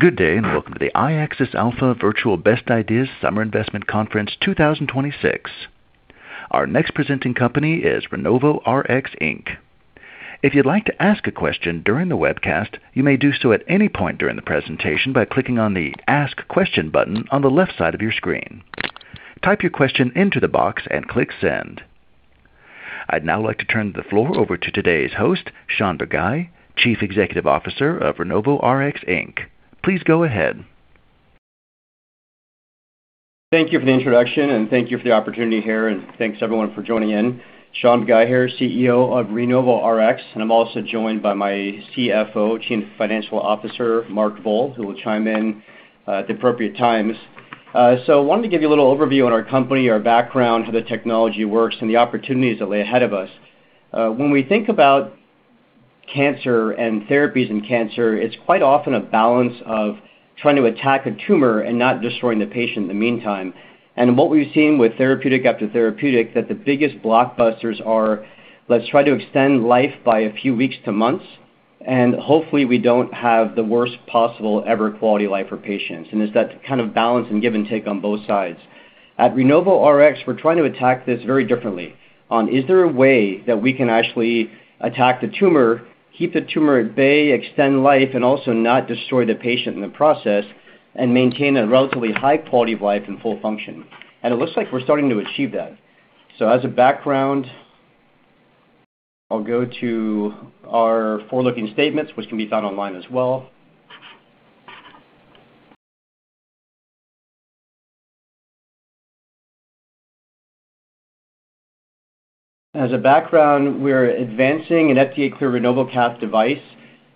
Good day. Welcome to the iAccess Alpha Virtual Best Ideas Summer Investment Conference 2026. Our next presenting company is RenovoRx, Inc. If you'd like to ask a question during the webcast, you may do so at any point during the presentation by clicking on the Ask Question button on the left side of your screen. Type your question into the box and click send. I'd now like to turn the floor over to today's host, Shaun Bagai, Chief Executive Officer of RenovoRx, Inc. Please go ahead. Thank you for the introduction. Thank you for the opportunity here, and thanks, everyone, for joining in. Shaun Bagai here, CEO of RenovoRx. I'm also joined by my CFO, Chief Financial Officer, Mark Voll, who will chime in at the appropriate times. I wanted to give you a little overview on our company, our background, how the technology works, and the opportunities that lay ahead of us. When we think about cancer and therapies in cancer, it's quite often a balance of trying to attack a tumor and not destroying the patient in the meantime. What we've seen with therapeutic after therapeutic, that the biggest blockbusters are, let's try to extend life by a few weeks to months, and hopefully we don't have the worst possible ever quality of life for patients. It's that kind of balance and give and take on both sides. At RenovoRx, we're trying to attack this very differently on, is there a way that we can actually attack the tumor, keep the tumor at bay, extend life, and also not destroy the patient in the process and maintain a relatively high quality of life and full function? It looks like we're starting to achieve that. As a background, I'll go to our forward-looking statements, which can be found online as well. As a background, we're advancing an FDA-cleared RenovoCath device.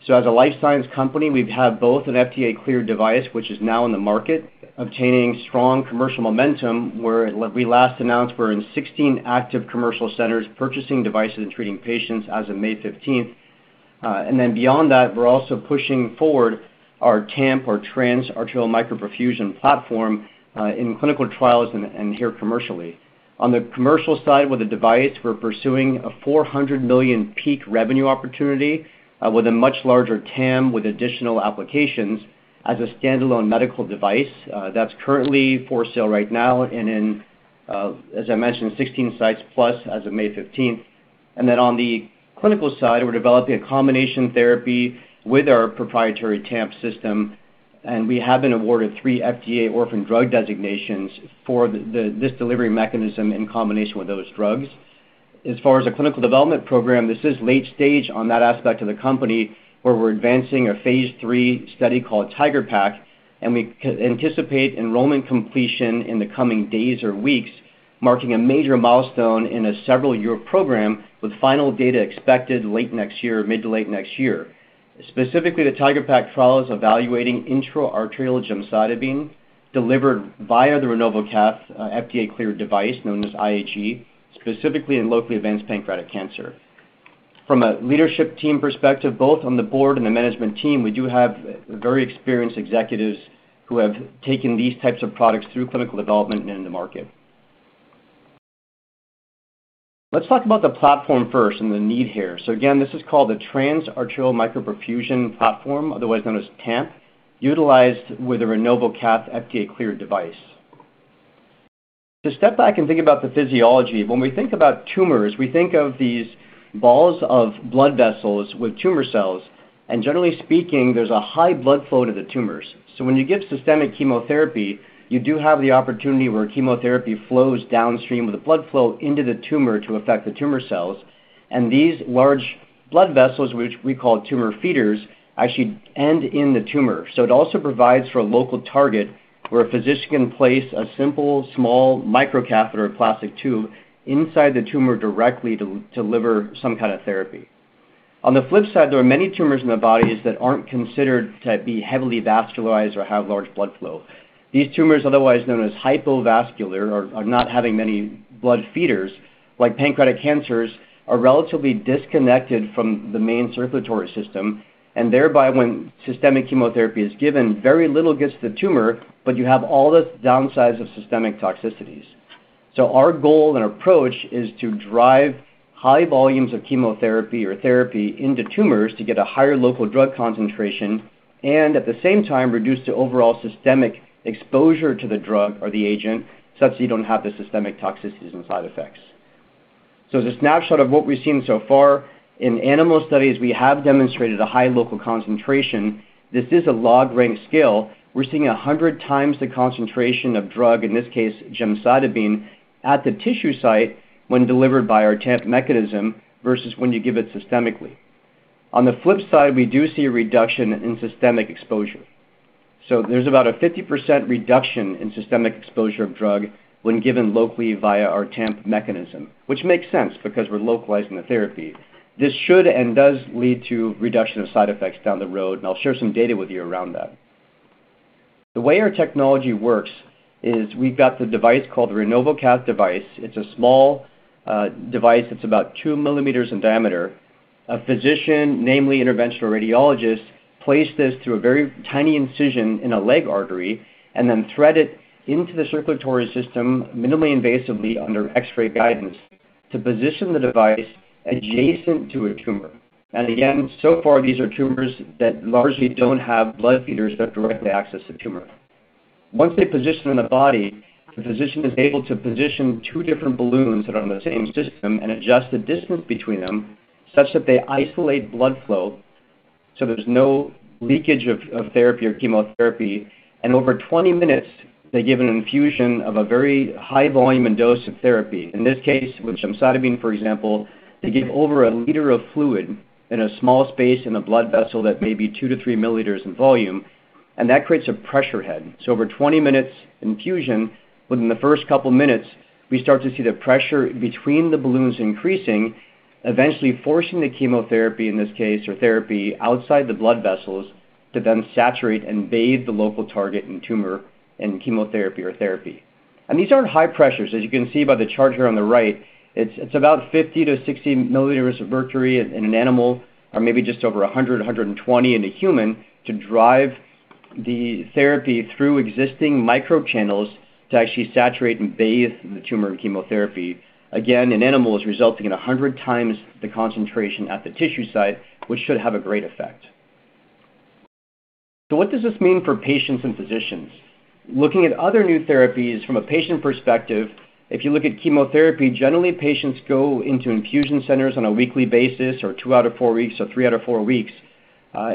As a life science company, we have both an FDA-cleared device, which is now in the market obtaining strong commercial momentum, where we last announced we're in 16 active commercial centers purchasing devices and treating patients as of May 15th. Beyond that, we're also pushing forward our TAMP, our Trans-Arterial Micro-Perfusion platform, in clinical trials and here commercially. On the commercial side with the device, we're pursuing a $400 million peak revenue opportunity with a much larger TAM with additional applications as a standalone medical device. That's currently for sale right now and in, as I mentioned, 16 sites plus as of May 15th. On the clinical side, we're developing a combination therapy with our proprietary TAMP system. We have been awarded three FDA Orphan Drug Designations for this delivery mechanism in combination with those drugs. As far as the clinical development program, this is late stage on that aspect of the company where we're advancing a phase III study called TIGeR-PaC. We anticipate enrollment completion in the coming days or weeks, marking a major milestone in a several-year program with final data expected late next year, mid to late next year. Specifically, the TIGeR-PaC trial is evaluating intra-arterial gemcitabine delivered via the RenovoCath FDA-cleared device, known as IAG, specifically in locally advanced pancreatic cancer. From a leadership team perspective, both on the board and the management team, we do have very experienced executives who have taken these types of products through clinical development and in the market. Let's talk about the platform first and the need here. Again, this is called the Trans-Arterial Micro-Perfusion platform, otherwise known as TAMP, utilized with a RenovoCath FDA-cleared device. To step back and think about the physiology, when we think about tumors, we think of these balls of blood vessels with tumor cells, and generally speaking, there is a high blood flow to the tumors. When you give systemic chemotherapy, you do have the opportunity where chemotherapy flows downstream with the blood flow into the tumor to affect the tumor cells. These large blood vessels, which we call tumor feeders, actually end in the tumor. It also provides for a local target where a physician can place a simple, small microcatheter plastic tube inside the tumor directly to deliver some kind of therapy. On the flip side, there are many tumors in the bodies that aren't considered to be heavily vascularized or have large blood flow. These tumors, otherwise known as hypovascular or not having many blood feeders, like pancreatic cancers, are relatively disconnected from the main circulatory system, and thereby, when systemic chemotherapy is given, very little gets to the tumor, but you have all the downsides of systemic toxicities. Our goal and approach is to drive high volumes of chemotherapy or therapy into tumors to get a higher local drug concentration and, at the same time, reduce the overall systemic exposure to the drug or the agent such that you don't have the systemic toxicities and side effects. As a snapshot of what we've seen so far in animal studies, we have demonstrated a high local concentration. This is a log rank scale. We're seeing 100x the concentration of drug, in this case, gemcitabine, at the tissue site when delivered by our TAMP mechanism versus when you give it systemically. On the flip side, we do see a reduction in systemic exposure. There is about a 50% reduction in systemic exposure of drug when given locally via our TAMP mechanism, which makes sense because we're localizing the therapy. This should and does lead to reduction of side effects down the road, and I'll share some data with you around that. The way our technology works is we've got the device called the RenovoCath device. It's a small device that's about 2 mm in diameter. A physician, namely interventional radiologist, place this through a very tiny incision in a leg artery and then thread it into the circulatory system minimally invasively under X-ray guidance. To position the device adjacent to a tumor. Again, so far, these are tumors that largely don't have blood feeders that directly access the tumor. Once they position in the body, the physician is able to position two different balloons that are on the same system and adjust the distance between them such that they isolate blood flow, so there's no leakage of therapy or chemotherapy. Over 20 minutes, they give an infusion of a very high volume and dose of therapy. In this case, with gemcitabine, for example, they give over a liter of fluid in a small space in the blood vessel that may be 2 mm to 3 mm in volume, that creates a pressure head. Over 20 minutes infusion, within the first couple of minutes, we start to see the pressure between the balloons increasing, eventually forcing the chemotherapy, in this case, or therapy outside the blood vessels to then saturate and bathe the local target and tumor in chemotherapy or therapy. These aren't high pressures. As you can see by the chart here on the right, it's about 50 mm to 60 mm of mercury in an animal or maybe just over 100, 120 in a human to drive the therapy through existing microchannels to actually saturate and bathe the tumor in chemotherapy. Again, in animals, resulting in 100x the concentration at the tissue site, which should have a great effect. What does this mean for patients and physicians? Looking at other new therapies from a patient perspective, if you look at chemotherapy, generally patients go into infusion centers on a weekly basis, or two out of four weeks, or three out of four weeks.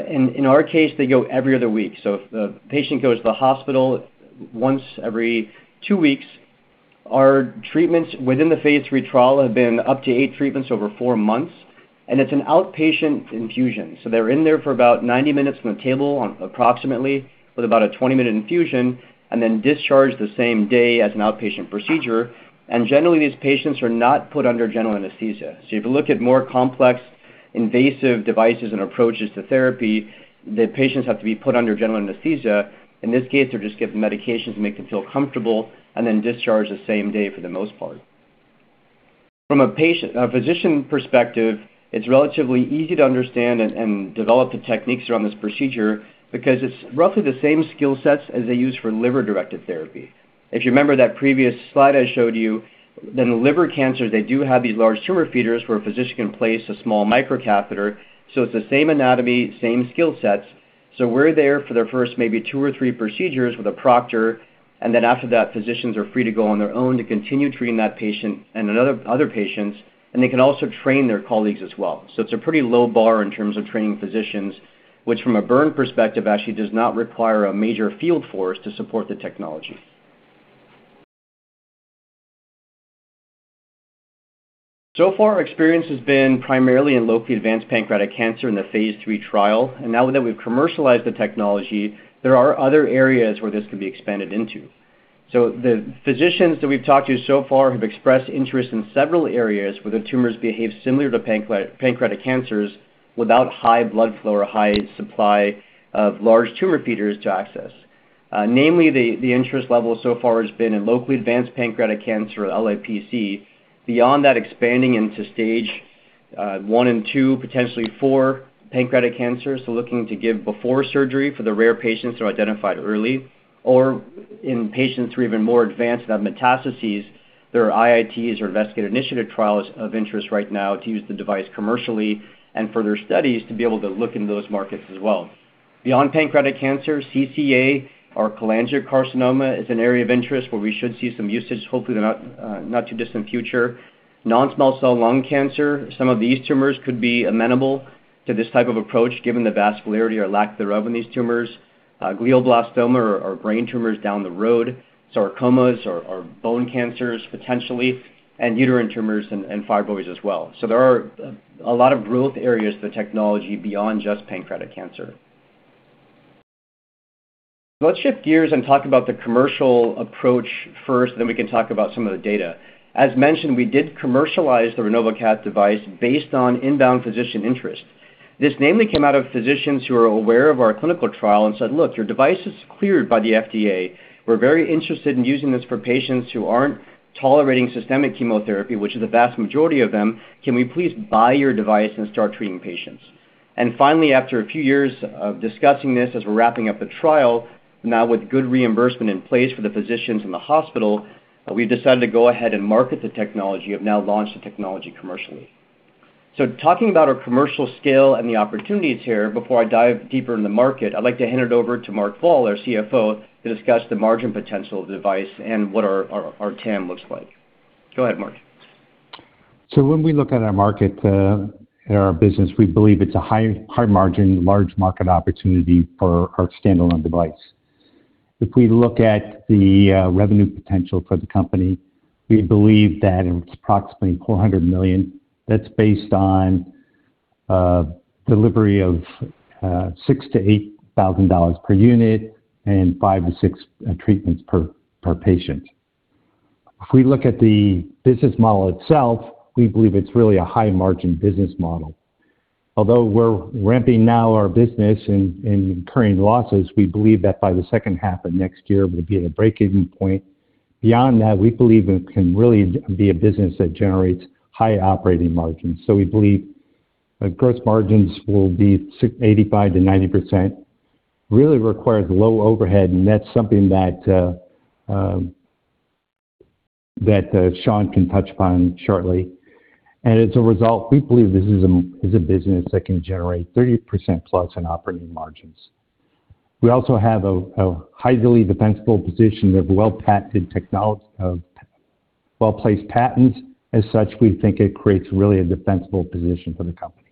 In our case, they go every other week. If the patient goes to the hospital once every two weeks, our treatments within the phase III trial have been up to eight treatments over four months, and it's an outpatient infusion. They're in there for about 90 minutes on the table, approximately, with about a 20-minute infusion and then discharged the same day as an outpatient procedure. Generally, these patients are not put under general anesthesia. If you look at more complex invasive devices and approaches to therapy, the patients have to be put under general anesthesia. In this case, they're just given medications to make them feel comfortable and then discharged the same day for the most part. From a physician perspective, it's relatively easy to understand and develop the techniques around this procedure because it's roughly the same skill sets as they use for liver-directed therapy. If you remember that previous slide I showed you, the liver cancer, they do have these large tumor feeders where a physician can place a small microcatheter. It's the same anatomy, same skill sets. We're there for their first maybe two or three procedures with a proctor, and then after that, physicians are free to go on their own to continue treating that patient and other patients, and they can also train their colleagues as well. It's a pretty low bar in terms of training physicians, which from a burn perspective actually does not require a major field force to support the technology. Far, our experience has been primarily in locally advanced pancreatic cancer in the phase III trial. Now that we've commercialized the technology, there are other areas where this could be expanded into. The physicians that we've talked to so far have expressed interest in several areas where the tumors behave similar to pancreatic cancers without high blood flow or high supply of large tumor feeders to access. Namely, the interest level so far has been in locally advanced pancreatic cancer, LAPC. Beyond that, expanding into Stage 1 and 2, potentially 4 pancreatic cancer, looking to give before surgery for the rare patients who are identified early or in patients who are even more advanced and have metastases. There are IITs or Investigator Initiated Trials of interest right now to use the device commercially and for their studies to be able to look into those markets as well. Beyond pancreatic cancer CCA, cholangiocarcinoma is an area of interest where we should see some usage, hopefully in the not-too-distant future. Non-small cell lung cancer. Some of these tumors could be amenable to this type of approach, given the vascularity or lack thereof in these tumors. Glioblastoma or brain tumors down the road. Sarcomas or bone cancers, potentially, and uterine tumors and fibroids as well. There are a lot of growth areas for technology beyond just pancreatic cancer. Let's shift gears and talk about the commercial approach first, then we can talk about some of the data. As mentioned, we did commercialize the RenovoCath device based on inbound physician interest. This namely came out of physicians who are aware of our clinical trial and said, "Look, your device is cleared by the FDA. We're very interested in using this for patients who aren't tolerating systemic chemotherapy, which is the vast majority of them. Can we please buy your device and start treating patients?" Finally, after a few years of discussing this as we're wrapping up the trial, now with good reimbursement in place for the physicians and the hospital, we've decided to go ahead and market the technology and have now launched the technology commercially. Talking about our commercial scale and the opportunities here, before I dive deeper in the market, I'd like to hand it over to Mark Voll, our CFO, to discuss the margin potential of the device and what our TAM looks like. Go ahead, Mark. When we look at our market and our business, we believe it's a high margin, large market opportunity for our standalone device. If we look at the revenue potential for the company, we believe that it's approximately $400 million. That's based on delivery of $6,000-$8,000 per unit and five to six treatments per patient. If we look at the business model itself, we believe it's really a high-margin business model. Although we're ramping now our business and incurring losses, we believe that by the second half of next year, we'll be at a break-even point. Beyond that, we believe it can really be a business that generates high operating margins. We believe gross margins will be 85%-90%. Really requires low overhead, and that's something that Shaun can touch upon shortly. As a result, we believe this is a business that can generate +30% in operating margins. We also have a highly defensible position of well-placed patents. As such, we think it creates really a defensible position for the company.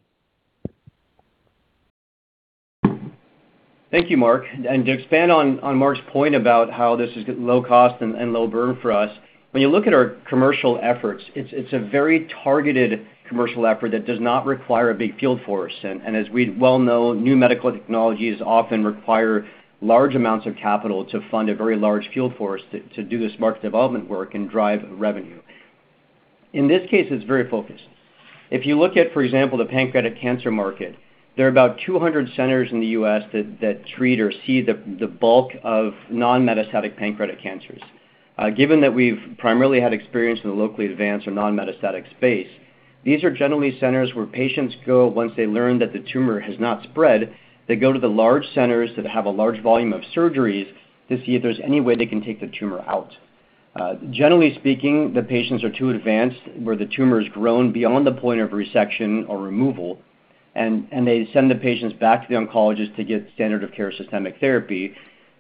Thank you, Mark. To expand on Mark's point about how this is low cost and low burn for us, when you look at our commercial efforts, it's a very targeted commercial effort that does not require a big field force. As we well know, new medical technologies often require large amounts of capital to fund a very large field force to do this market development work and drive revenue. In this case, it's very focused. If you look at, for example, the pancreatic cancer market, there are about 200 centers in the U.S. that treat or see the bulk of non-metastatic pancreatic cancers. Given that we've primarily had experience in the locally advanced or non-metastatic space, these are generally centers where patients go once they learn that the tumor has not spread, they go to the large centers that have a large volume of surgeries to see if there's any way they can take the tumor out. Generally speaking, the patients are too advanced, where the tumor's grown beyond the point of resection or removal, and they send the patients back to the oncologist to get standard of care systemic therapy.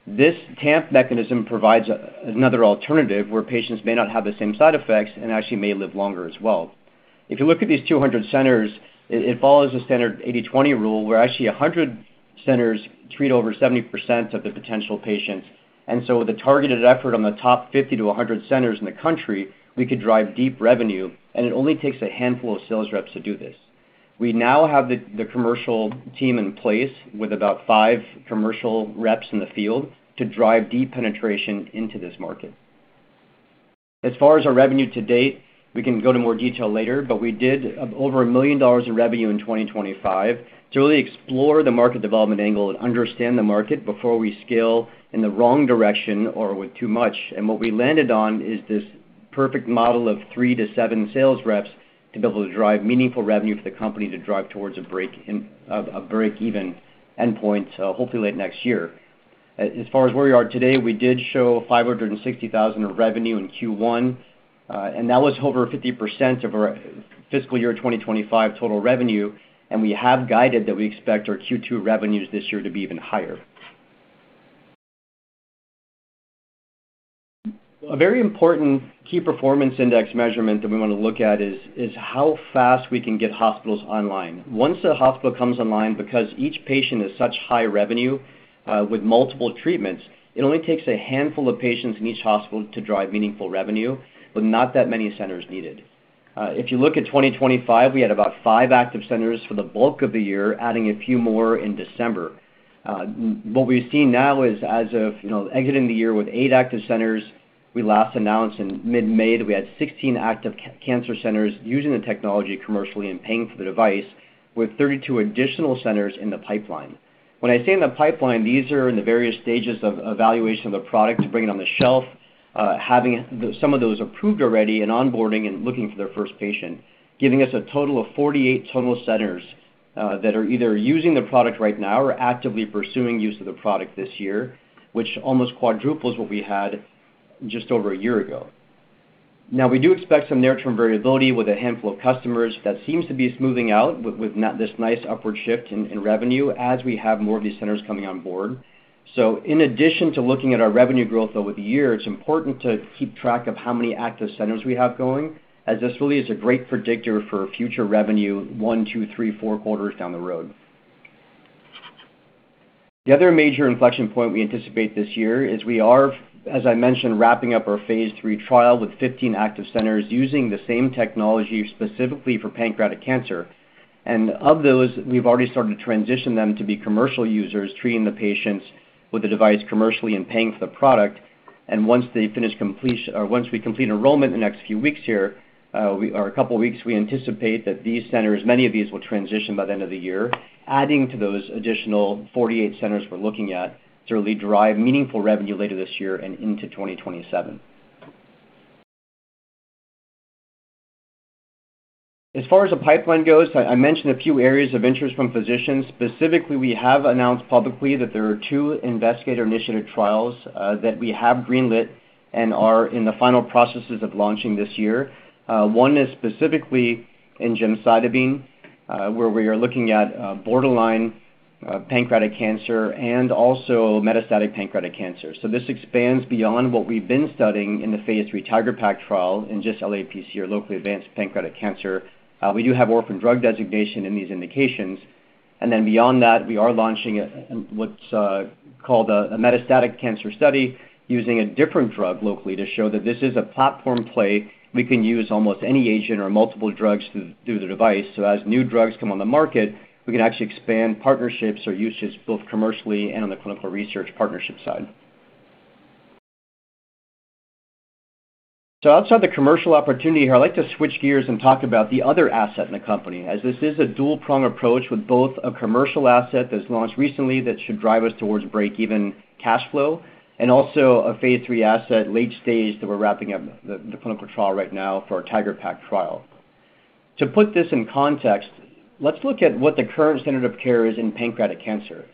This TAMP mechanism provides another alternative where patients may not have the same side effects and actually may live longer as well. If you look at these 200 centers, it follows a standard 80/20 rule, where actually 100 centers treat over 70% of the potential patients. With a targeted effort on the top 50 to 100 centers in the country, we could drive deep revenue, and it only takes a handful of sales reps to do this. We now have the commercial team in place with about five commercial reps in the field to drive deep penetration into this market. As far as our revenue to date, we can go into more detail later, but we did over $1 million of revenue in 2025 to really explore the market development angle and understand the market before we scale in the wrong direction or with too much. What we landed on is this perfect model of three to seven sales reps to be able to drive meaningful revenue for the company to drive towards a break-even endpoint, hopefully late next year. As far as where we are today, we did show $560,000 of revenue in Q1, and that was over 50% of our fiscal year 2025 total revenue, and we have guided that we expect our Q2 revenues this year to be even higher. A very important key performance index measurement that we want to look at is how fast we can get hospitals online. Once a hospital comes online, because each patient is such high revenue, with multiple treatments, it only takes a handful of patients in each hospital to drive meaningful revenue, with not that many centers needed. If you look at 2025, we had about five active centers for the bulk of the year, adding a few more in December. What we've seen now is as of exiting the year with eight active centers, we last announced in mid-May that we had 16 active cancer centers using the technology commercially and paying for the device, with 32 additional centers in the pipeline. When I say in the pipeline, these are in the various stages of evaluation of the product to bring it on the shelf, having some of those approved already and onboarding and looking for their first patient, giving us a total of 48 total centers that are either using the product right now or actively pursuing use of the product this year, which almost quadruples what we had just over a year ago. Now, we do expect some near-term variability with a handful of customers. That seems to be smoothing out with this nice upward shift in revenue as we have more of these centers coming on board. In addition to looking at our revenue growth over the year, it's important to keep track of how many active centers we have going, as this really is a great predictor for future revenue one, two, three, four quarters down the road. The other major inflection point we anticipate this year is we are, as I mentioned, wrapping up our phase III trial with 15 active centers using the same technology specifically for pancreatic cancer. And of those, we've already started to transition them to be commercial users, treating the patients with the device commercially and paying for the product. Once we complete enrollment in the next few weeks here, or a couple of weeks, we anticipate that these centers, many of these will transition by the end of the year, adding to those additional 48 centers we're looking at to really drive meaningful revenue later this year and into 2027. As far as the pipeline goes, I mentioned a few areas of interest from physicians. Specifically, we have announced publicly that there are two investigator-initiated trials that we have greenlit and are in the final processes of launching this year. One is specifically in gemcitabine, where we are looking at borderline pancreatic cancer and also metastatic pancreatic cancer. So this expands beyond what we've been studying in the phase III TIGeR-PaC trial in just LAPC or locally advanced pancreatic cancer. We do have Orphan Drug Designation in these indications. Beyond that, we are launching what's called a metastatic cancer study using a different drug locally to show that this is a platform play. We can use almost any agent or multiple drugs through the device, as new drugs come on the market, we can actually expand partnerships or usage both commercially and on the clinical research partnership side. Outside the commercial opportunity here, I'd like to switch gears and talk about the other asset in the company, as this is a dual-prong approach with both a commercial asset that's launched recently that should drive us towards breakeven cash flow, and also a phase III asset, late stage, that we're wrapping up the clinical trial right now for our TIGeR-PaC trial. To put this in context, let's look at what the current standard of care is in pancreatic cancer.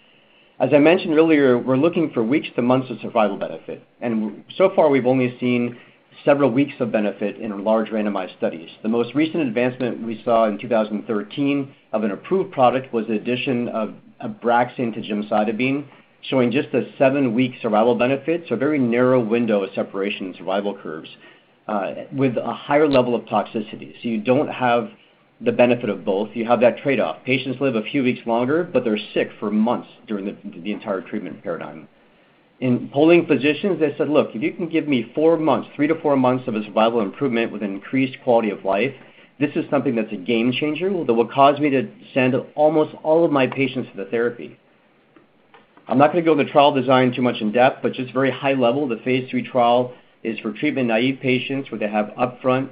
As I mentioned earlier, we're looking for weeks to months of survival benefit. So far, we've only seen several weeks of benefit in large randomized studies. The most recent advancement we saw in 2013 of an approved product was the addition of Abraxane to gemcitabine, showing just a seven-week survival benefit, a very narrow window of separation in survival curves, with a higher level of toxicity. You don't have the benefit of both. You have that trade-off. Patients live a few weeks longer, but they're sick for months during the entire treatment paradigm. In polling physicians, they said, "Look, if you can give me four months, three to four months of a survival improvement with an increased quality of life, this is something that's a game changer, that will cause me to send almost all of my patients to the therapy." I'm not going to go into the trial design too much in depth, but just very high level. The phase III trial is for treatment-naive patients, where they have upfront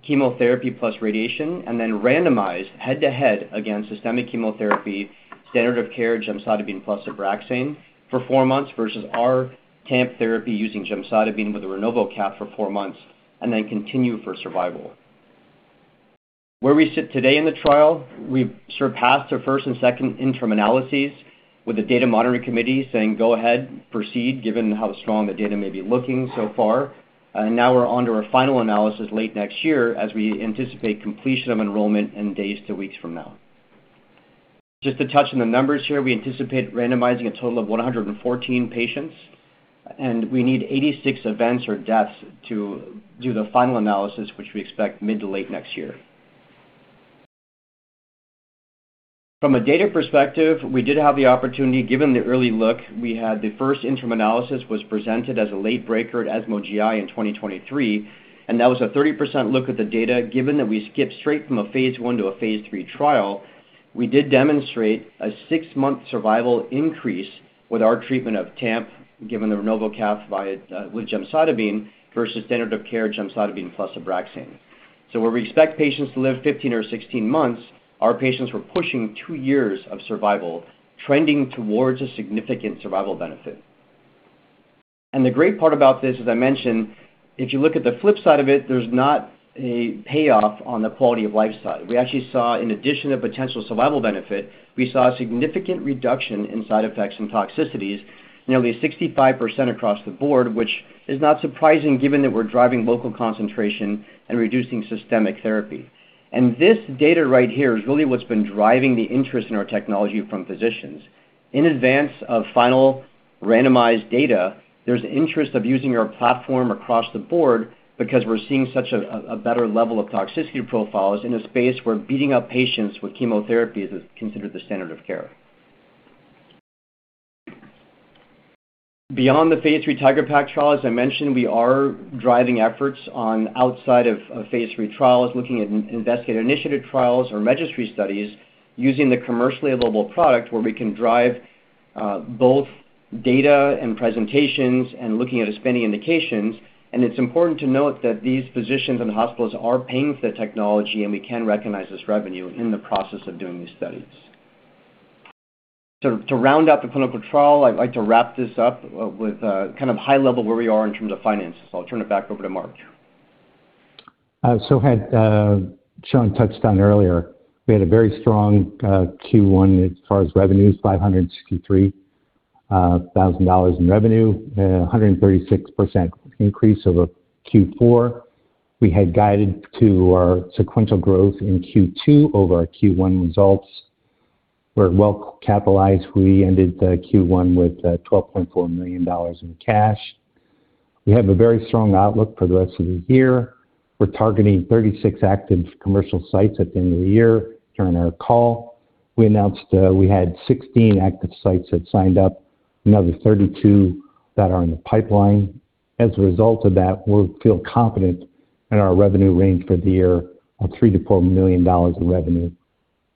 chemotherapy plus radiation, then randomized head-to-head against systemic chemotherapy, standard of care gemcitabine plus Abraxane for four months versus our TAMP therapy using gemcitabine with a RenovoCath for four months, and then continue for survival. Where we sit today in the trial, we've surpassed our first and second interim analyses with the data monitoring committee saying, "Go ahead, proceed," given how strong the data may be looking so far. We're onto our final analysis late next year, as we anticipate completion of enrollment in days to weeks from now. Just to touch on the numbers here, we anticipate randomizing a total of 114 patients, and we need 86 events or deaths to do the final analysis, which we expect mid to late next year. From a data perspective, we did have the opportunity, given the early look we had, the first interim analysis was presented as a late breaker at ESMO GI in 2023, and that was a 30% look at the data. Given that we skipped straight from a phase I to a phase III trial, we did demonstrate a six-month survival increase with our treatment of TAMP, given the RenovoCath with gemcitabine versus standard of care gemcitabine plus Abraxane. Where we expect patients to live 15 or 16 months, our patients were pushing two years of survival, trending towards a significant survival benefit. The great part about this, as I mentioned, if you look at the flip side of it, there's not a payoff on the quality of life side. We actually saw, in addition to potential survival benefit, we saw a significant reduction in side effects and toxicities, nearly 65% across the board, which is not surprising given that we're driving local concentration and reducing systemic therapy. This data right here is really what's been driving the interest in our technology from physicians. In advance of final randomized data, there's interest of using our platform across the board because we're seeing such a better level of toxicity profiles in a space where beating up patients with chemotherapy is considered the standard of care. Beyond the phase III TIGeR-PaC trial, as I mentioned, we are driving efforts on outside of phase III trials, looking at Investigator Initiated Trials or registry studies using the commercially available product where we can drive both data and presentations and looking at expanding indications. It's important to note that these physicians and hospitals are paying for the technology, and we can recognize this revenue in the process of doing these studies. To round out the clinical trial, I'd like to wrap this up with kind of high level where we are in terms of finances. I'll turn it back over to Mark. As Shaun touched on earlier, we had a very strong Q1 as far as revenues, $563,000 in revenue, 136% increase over Q4. We had guided to our sequential growth in Q2 over our Q1 results. We're well capitalized. We ended Q1 with $12.4 million in cash. We have a very strong outlook for the rest of the year. We're targeting 36 active commercial sites at the end of the year. During our call, we announced we had 16 active sites that signed up, another 32 that are in the pipeline. As a result of that, we feel confident in our revenue range for the year of $3 million-$4 million in revenue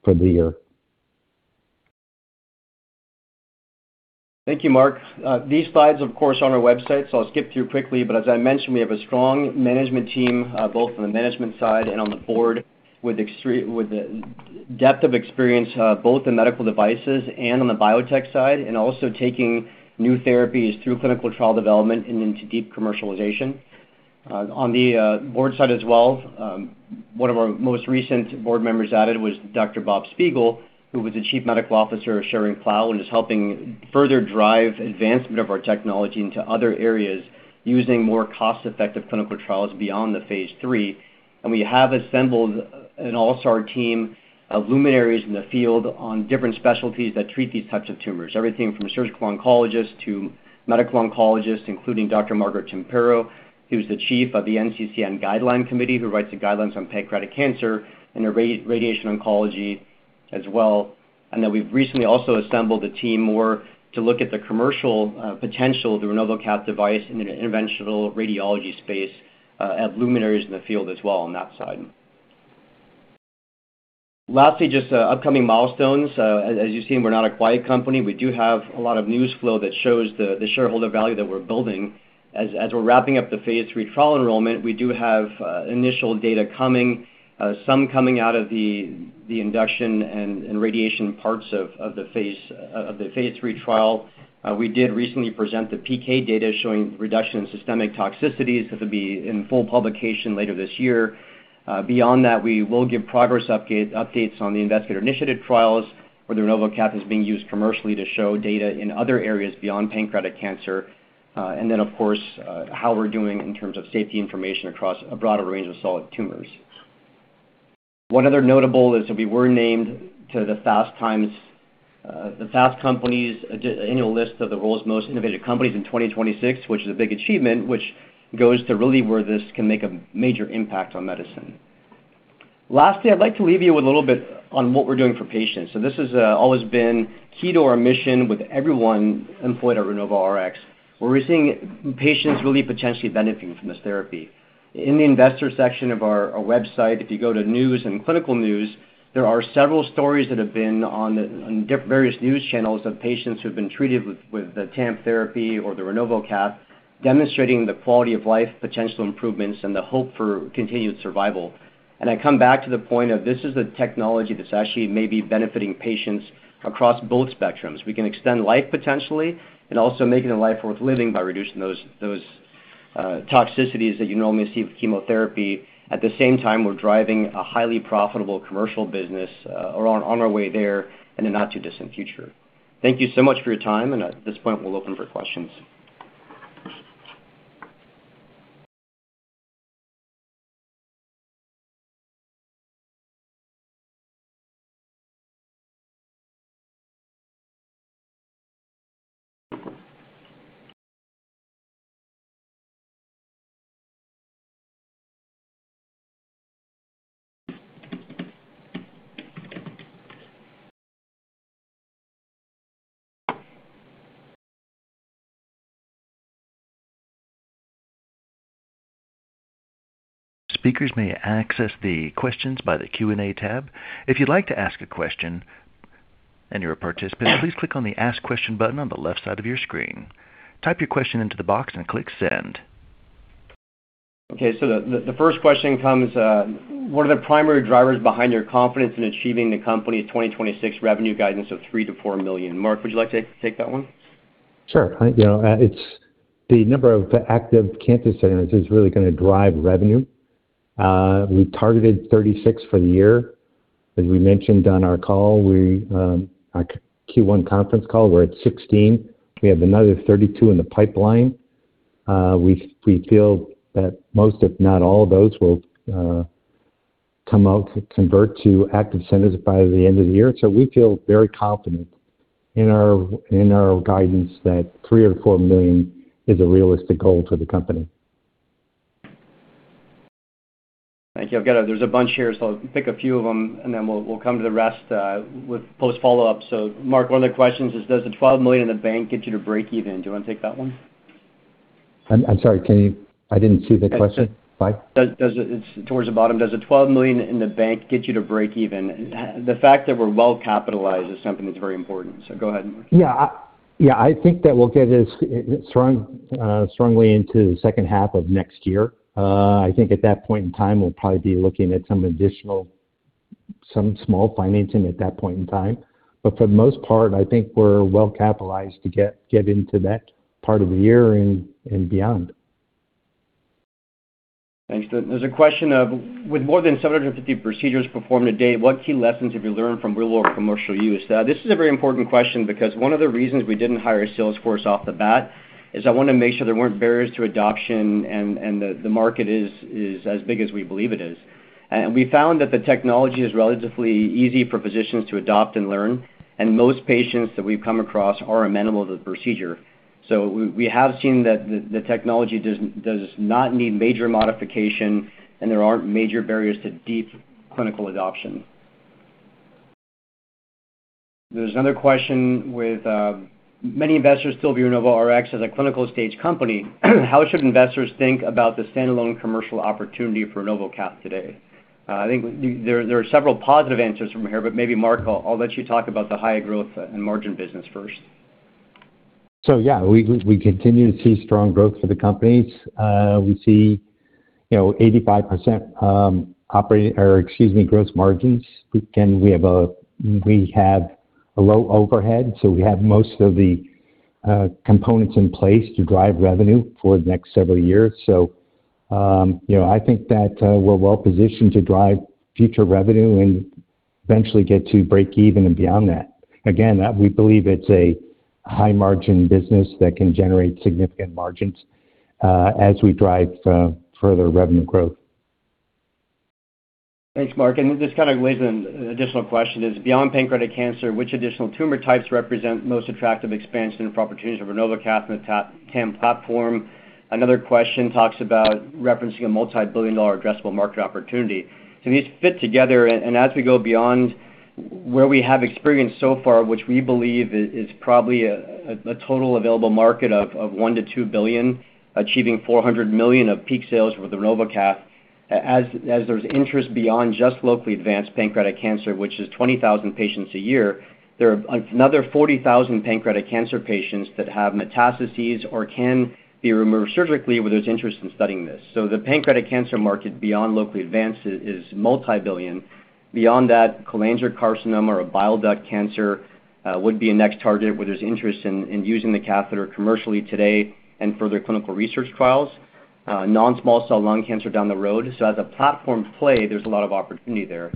for the year. Thank you, Mark. These slides, of course, are on our website. I'll skip through quickly. As I mentioned, we have a strong management team, both on the management side and on the board, with a depth of experience, both in medical devices and on the biotech side, and also taking new therapies through clinical trial development and into deep commercialization. On the board side as well, one of our most recent board members added was Dr. Bob Spiegel, who was the Chief Medical Officer of Schering-Plough and is helping further drive advancement of our technology into other areas using more cost-effective clinical trials beyond the phase III. We have assembled an all-star team of luminaries in the field on different specialties that treat these types of tumors, everything from surgical oncologists to medical oncologists, including Dr. Margaret Tempero, who's the chief of the NCCN Guideline Committee, who writes the guidelines on pancreatic cancer and radiation oncology as well. We've recently also assembled a team more to look at the commercial potential of the RenovoCath device in the interventional radiology space, have luminaries in the field as well on that side. Lastly, just upcoming milestones. As you've seen, we're not a quiet company. We do have a lot of news flow that shows the shareholder value that we're building. As we're wrapping up the phase III trial enrollment, we do have initial data coming, some coming out of the induction and radiation parts of the phase III trial. We did recently present the PK data showing reduction in systemic toxicities, that would be in full publication later this year. Beyond that, we will give progress updates on the investigator initiative trials where the RenovoCath is being used commercially to show data in other areas beyond pancreatic cancer. Of course, how we're doing in terms of safety information across a broader range of solid tumors. One other notable is that we were named to the Fast Company's annual list of the World's Most Innovative Companies in 2026, which is a big achievement, which goes to really where this can make a major impact on medicine. Lastly, I'd like to leave you with a little bit on what we're doing for patients. This has always been key to our mission with everyone employed at RenovoRx, where we're seeing patients really potentially benefiting from this therapy. In the investor section of our website, if you go to News and Clinical News, there are several stories that have been on various news channels of patients who've been treated with the TAMP therapy or the RenovoCath, demonstrating the quality of life, potential improvements, and the hope for continued survival. I come back to the point of this is the technology that actually may be benefiting patients across both spectrums. We can extend life potentially and also making a life worth living by reducing those toxicities that you normally see with chemotherapy. At the same time, we're driving a highly profitable commercial business or on our way there in the not too distant future. Thank you so much for your time, and at this point, we'll open for questions. Speakers may access the questions by the Q&A tab. If you'd like to ask a question and you're a participant, please click on the Ask Question button on the left side of your screen. Type your question into the box and click Send. Okay, the first question comes, what are the primary drivers behind your confidence in achieving the company's 2026 revenue guidance of $3 million-$4 million? Mark, would you like to take that one? Sure. The number of active cancer centers is really going to drive revenue. We targeted 36 for the year. As we mentioned on our call, our Q1 conference call, we're at 16. We have another 32 in the pipeline. We feel that most, if not all of those, will come out to convert to active centers by the end of the year. We feel very confident in our guidance that $3 million or $4 million is a realistic goal for the company. Thank you. There's a bunch here, so I'll pick a few of them and then we'll come to the rest with post follow-ups. Mark, one of the questions is, does the $12 million in the bank get you to break even? Do you want to take that one? I'm sorry. I didn't see the question. What? It's towards the bottom. Does the $12 million in the bank get you to break even? The fact that we're well capitalized is something that's very important. Go ahead, Mark. I think that we'll get as strongly into the second half of next year. I think at that point in time, we'll probably be looking at some additional, some small financing at that point in time. For the most part, I think we're well capitalized to get into that part of the year and beyond. Thanks. There's a question of, with more than 750 procedures performed a day, what key lessons have you learned from real-world commercial use? This is a very important question because one of the reasons we didn't hire a sales force off the bat is I wanted to make sure there weren't barriers to adoption and that the market is as big as we believe it is. We found that the technology is relatively easy for physicians to adopt and learn, and most patients that we've come across are amenable to the procedure. We have seen that the technology does not need major modification, and there aren't major barriers to deep clinical adoption. There's another question with, many investors still view RenovoRx as a clinical stage company. How should investors think about the standalone commercial opportunity for RenovoCath today? I think there are several positive answers from here, maybe Mark, I'll let you talk about the higher growth and margin business first. Yeah, we continue to see strong growth for the companies. We see 85% operating, or excuse me, gross margins. Again, we have a low overhead, so we have most of the components in place to drive revenue for the next several years. I think that we're well positioned to drive future revenue and eventually get to break even and beyond that. Again, we believe it's a high margin business that can generate significant margins as we drive further revenue growth. Thanks, Mark, this kind of leads to an additional question is, beyond pancreatic cancer, which additional tumor types represent most attractive expansion opportunities for RenovoCath and the TAMP platform? Another question talks about referencing a multi-billion dollar addressable market opportunity. These fit together and as we go beyond where we have experience so far, which we believe is probably a total available market of $1 billion-$2 billion, achieving $400 million of peak sales with RenovoCath, as there's interest beyond just locally advanced pancreatic cancer, which is 20,000 patients a year, there are another 40,000 pancreatic cancer patients that have metastases or can be removed surgically where there's interest in studying this. The pancreatic cancer market beyond locally advanced is multi-billion. Beyond that, cholangiocarcinoma or bile duct cancer would be a next target where there's interest in using the catheter commercially today and further clinical research trials. Non-small cell lung cancer down the road. As a platform play, there's a lot of opportunity there.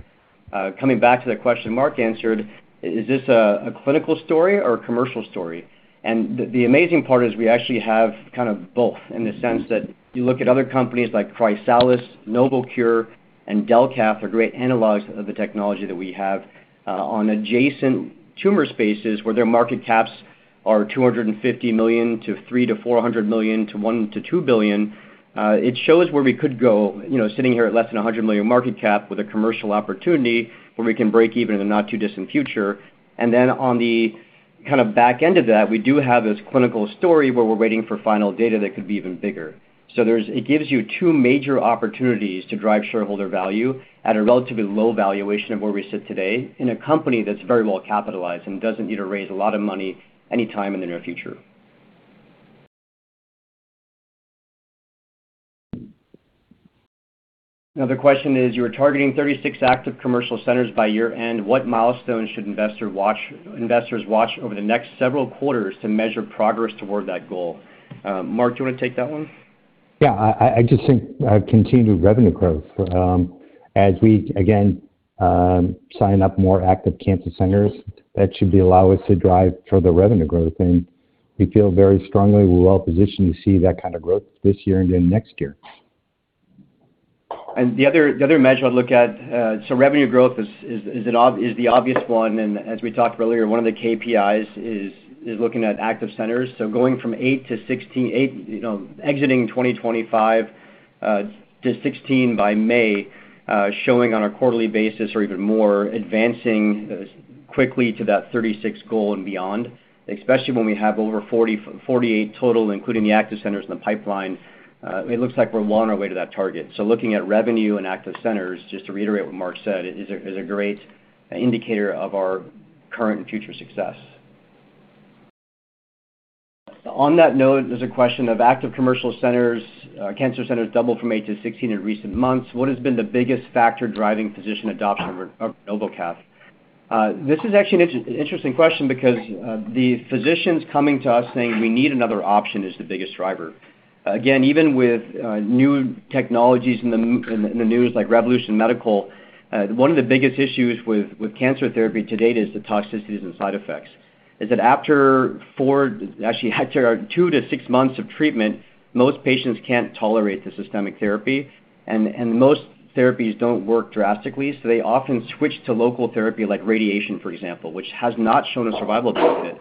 Coming back to that question Mark answered, is this a clinical story or a commercial story? The amazing part is we actually have both, in the sense that you look at other companies like Chrysalis, Novocure, and Delcath are great analogs of the technology that we have on adjacent tumor spaces where their market caps are $250 million to $300 million to $400 million to $1 billion to $2 billion. It shows where we could go, sitting here at less than $100 million market cap with a commercial opportunity where we can break even in the not-too-distant future. Then on the back end of that, we do have this clinical story where we're waiting for final data that could be even bigger. It gives you two major opportunities to drive shareholder value at a relatively low valuation of where we sit today in a company that's very well-capitalized and doesn't need to raise a lot of money anytime in the near future. Another question is, "You are targeting 36 active commercial centers by year-end. What milestones should investors watch over the next several quarters to measure progress toward that goal?" Mark, do you want to take that one? I just think continued revenue growth. As we, again, sign up more active cancer centers, that should allow us to drive further revenue growth, and we feel very strongly we're well-positioned to see that kind of growth this year and again next year. The other measure I'd look at, revenue growth is the obvious one, and as we talked earlier, one of the KPIs is looking at active centers. Going from 8-16, exiting 2025 to 16 by May, showing on a quarterly basis or even more, advancing quickly to that 36 goal and beyond, especially when we have over 48 total, including the active centers in the pipeline, it looks like we're well on our way to that target. Looking at revenue and active centers, just to reiterate what Mark said, is a great indicator of our current and future success. On that note, there's a question of active commercial centers. Cancer centers doubled from 8-16 in recent months. What has been the biggest factor driving physician adoption of RenovoCath? This is actually an interesting question because the physicians coming to us saying, "We need another option," is the biggest driver. Again, even with new technologies in the news like Revolution Medicines, one of the biggest issues with cancer therapy to date is the toxicities and side effects, is that after two to six months of treatment, most patients can't tolerate the systemic therapy, and most therapies don't work drastically, so they often switch to local therapy like radiation, for example, which has not shown a survival benefit.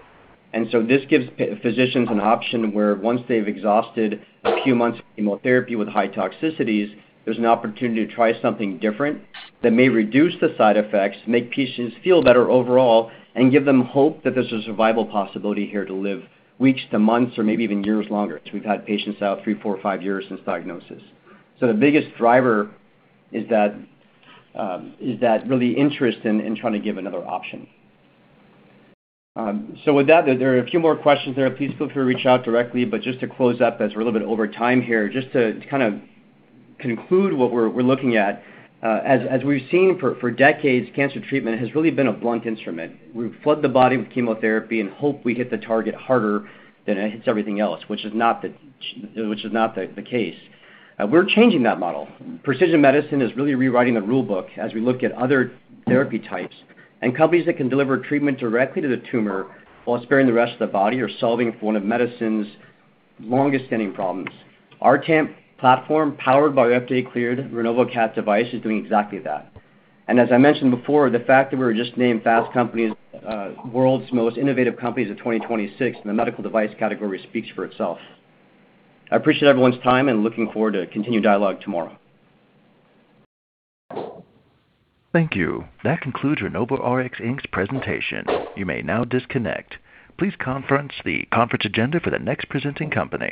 This gives physicians an option where once they've exhausted a few months of chemotherapy with high toxicities, there's an opportunity to try something different that may reduce the side effects, make patients feel better overall, and give them hope that there's a survival possibility here to live weeks to months or maybe even years longer, because we've had patients out three, four, five years since diagnosis. The biggest driver is that really interest in trying to give another option. With that, there are a few more questions there. Please feel free to reach out directly, but just to close up as we're a little bit over time here, just to conclude what we're looking at. As we've seen for decades, cancer treatment has really been a blunt instrument. We flood the body with chemotherapy and hope we hit the target harder than it hits everything else, which is not the case. We're changing that model. Precision medicine is really rewriting the rule book as we look at other therapy types, and companies that can deliver treatment directly to the tumor while sparing the rest of the body are solving for one of medicine's longest-standing problems. Our TAMP platform, powered by FDA-cleared RenovoCath device, is doing exactly that. As I mentioned before, the fact that we were just named Fast Company's World's Most Innovative Companies of 2026 in the medical device category speaks for itself. I appreciate everyone's time, and looking forward to continued dialogue tomorrow. Thank you. That concludes RenovoRx, Inc's presentation. You may now disconnect. Please conference the conference agenda for the next presenting company